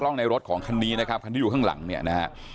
ในรถของคันนี้นะครับคันที่อยู่ข้างหลังเนี่ยนะฮะ